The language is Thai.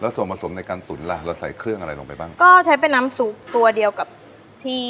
ส่วนผสมในการตุ๋นล่ะเราใส่เครื่องอะไรลงไปบ้างก็ใช้เป็นน้ำซุปตัวเดียวกับที่